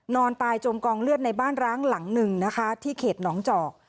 นอนตายจมกองเลือดในบ้านร้างหลังหนึ่งนะคะที่เขตหนองจอก